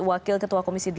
wakil ketua komisi delapan